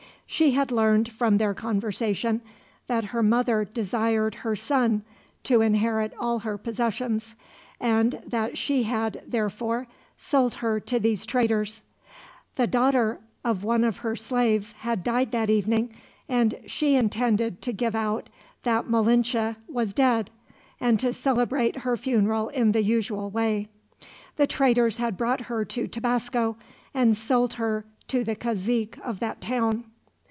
She had learned, from their conversation, that her mother desired her son to inherit all her possessions; and that she had, therefore, sold her to these traders. The daughter of one of her slaves had died that evening, and she intended to give out that Malinche was dead, and to celebrate her funeral in the usual way. The traders had brought her to Tabasco, and sold her to the cazique of that town.